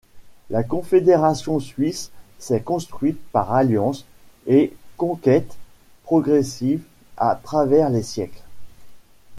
La Confédération suisse s'est construite par alliances et conquêtes progressives à travers les siècles.